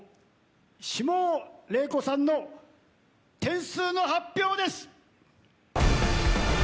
下尾礼子さんの点数の発表です！